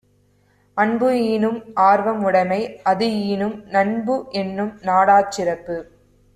அன்புஈனும் ஆர்வம் உடைமை; அதுஈனும் நண்புஎன்னும் நாடாச் சிறப்பு